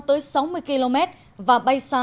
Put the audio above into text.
tới sáu mươi km và bay xa